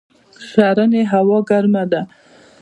ښرنې هوا ګرمه ده؟